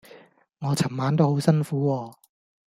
我尋晚都好辛苦喎